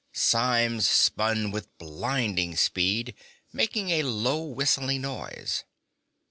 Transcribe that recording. Symes spun with a blinding speed, making a low, whistling noise.